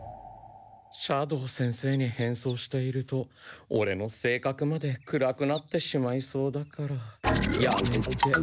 斜堂先生に変装しているとオレの性格まで暗くなってしまいそうだからやめて。